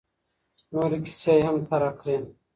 نورې کیسې یې هم طرحه کړې.